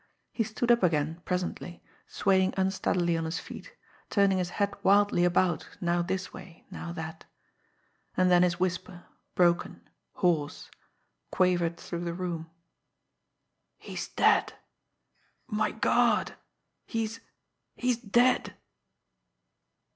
He stood up again presently, swaying unsteadily on his feet, turning his head wildly about, now this way, now that. And then his whisper, broken, hoarse, quavered through the room: "He's dead. My God he's he's dead."